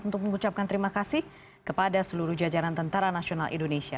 untuk mengucapkan terima kasih kepada seluruh jajaran tentara nasional indonesia